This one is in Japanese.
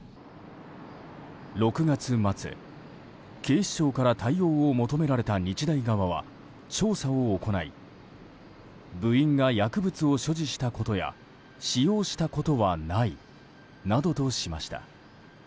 ６月末、警視庁から対応を求められた日大側は調査を行い部員が薬物を所持したことや使用したことはないなどとしました。